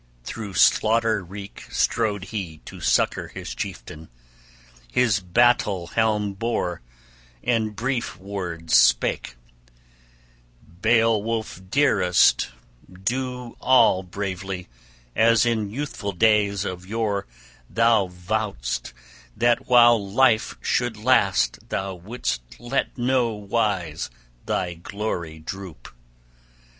Through slaughter reek strode he to succor his chieftain, his battle helm bore, and brief words spake: "Beowulf dearest, do all bravely, as in youthful days of yore thou vowedst that while life should last thou wouldst let no wise thy glory droop!